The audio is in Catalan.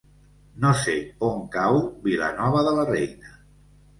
No sé on cau Vilanova de la Reina.